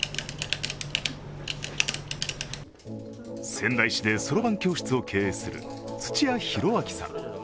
仙台市でそろばん教室を経営する土屋宏明さん。